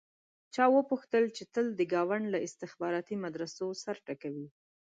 چا وپوښتل چې تل د ګاونډ له استخباراتي مدرسو سر ټکوې.